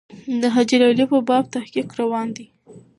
د حاجي لالي په باب تحقیق روان دی.